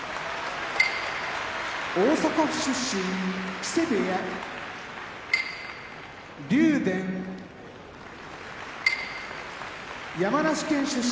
大阪府出身木瀬部屋竜電山梨県出身